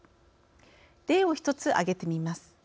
例を一つ挙げてみます。